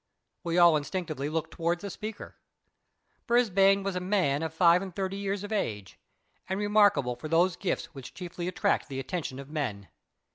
We all instinctively looked towards the speaker. Brisbane was a man of five and thirty years of age, and remarkable for those gifts which chiefly attract the attention of men.